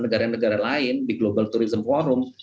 negara negara lain di global tourism forum